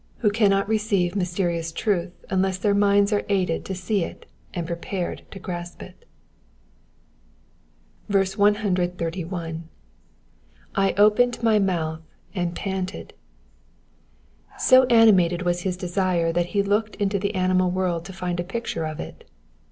who cannot rcccivo mysterious truth unless their minds are aided to see it and prepared to grasp it. 131. / openm my mouthy and panted.''^ So animated was his desire that he looked into the animal world to find a picture of it.